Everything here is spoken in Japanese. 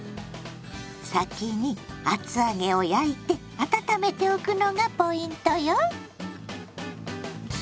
先に厚揚げを焼いて温めておくのがポイントよ。